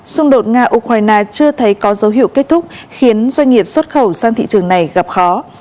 xung đột nga ukraine chưa thấy có dấu hiệu kết thúc khiến doanh nghiệp xuất khẩu sang thị trường này gặp khó